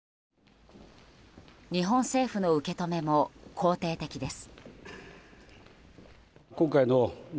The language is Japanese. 日本政府の受け止めも肯定的です。